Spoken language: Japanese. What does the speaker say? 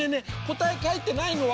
答え書いてないの。